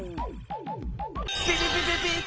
ビビビビビッ！